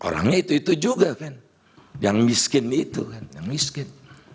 orangnya itu itu juga kan yang miskin itu kan yang miskin